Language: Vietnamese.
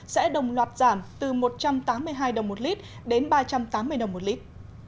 sẽ đồng loạt giảm từ một trăm tám mươi hai đồng một lít đến ba trăm tám mươi đồng một lít